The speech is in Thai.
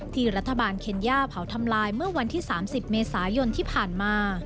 ที่รัฐบาลเคนย่าเผาทำลายเมื่อวันที่๓๐เมษายนที่ผ่านมา